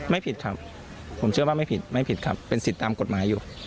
ไม่ผิดครับผมเชื่อว่าไม่ผิดไม่ผิดครับเป็นสิทธิ์ตามกฎหมายอยู่